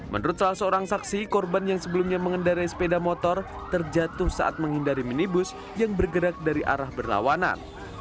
menurut salah seorang saksi korban yang sebelumnya mengendarai sepeda motor terjatuh saat menghindari minibus yang bergerak dari arah berlawanan